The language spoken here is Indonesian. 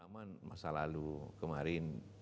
masa lalu kemarin